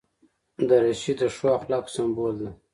دریشي د ښو اخلاقو سمبول ده.